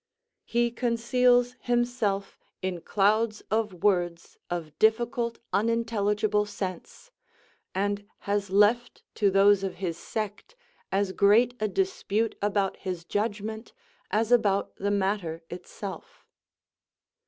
He conceals himself in clouds of words of difficult, unintelligible sense, and has left to those of his sect as great a dispute about his judgment as about the matter itself.